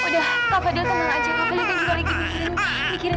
udah kava udah tenang aja kava juga lagi mikirin kata